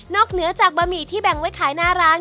เหนือจากบะหมี่ที่แบ่งไว้ขายหน้าร้าน